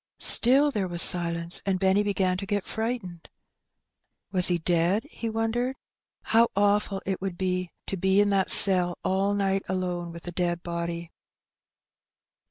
Still there was silence, and Benny began to get fright ened. Was he dead? he wondered. How awful it would be to be in that cell all night alone with a dead body!